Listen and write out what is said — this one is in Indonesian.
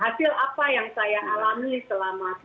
hasil apa yang saya alami selama